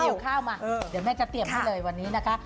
เกี่ยวข้าวมาเดี๋ยวแม่จะเตรียมให้เลยวันนี้นะคะ